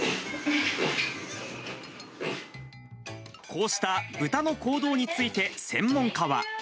こうしたブタの行動について、専門家は。